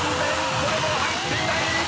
これも入っていない！］